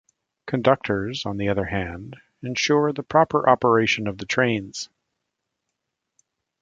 Conductors, on the other hand, ensure the proper operation of the trains.